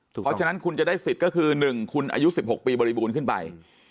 เพราะฉะนั้นคุณจะได้สิทธิ์ก็คือ๑คุณอายุ๑๖ปีบริบูรณ์ขึ้นไป